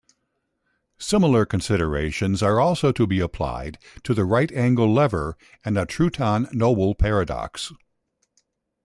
Similar considerations are also to be applied to the right-angle lever and Trouton-Noble paradox.